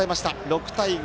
６対５。